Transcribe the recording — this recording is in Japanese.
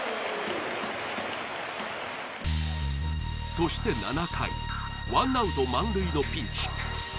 そして７回ワンアウト満塁のピンチ